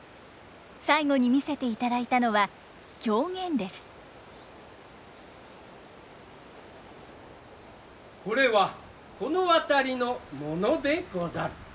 最後に見せていただいたのはこれはこの辺りのものでござる。